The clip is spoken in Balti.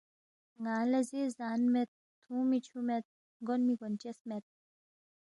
ن٘انگ لہ زے زان مید، تُھونگمی چُھو مید، گونمی گونچس مید